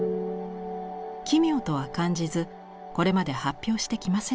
奇妙とは感じずこれまで発表してきませんでした。